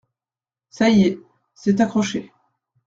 Ca y est… c’est accroché…